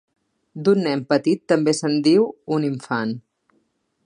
D'un nen petit també se'n diu un infant.